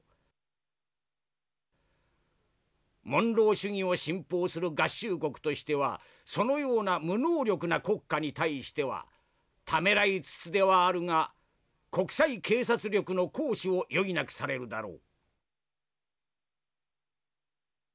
モンロー主義を信奉する合衆国としてはそのような無能力な国家に対してはためらいつつではあるが国際警察力の行使を余儀なくされるだろう」。